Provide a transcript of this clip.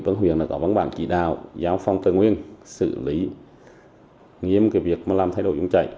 đó là văn bản chỉ đạo giáo phong tân nguyên xử lý nghiêm việc làm thay đổi dung chảy